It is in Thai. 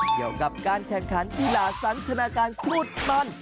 เกี่ยวกับการแข่งขันกีฬาสันทนาการสุดมัน